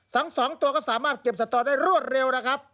ทั้งสองตัวก็สามารถเก็บสตอได้รวดเร็วนะครับ